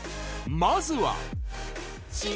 まずは。